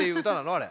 あれ。